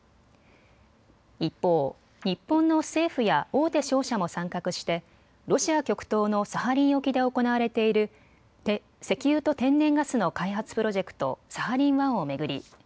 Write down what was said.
一方、日本の政府や大手商社も参画してロシア極東のサハリン沖で行われている石油と天然ガスの開発プロジェクト、サハリン１を巡り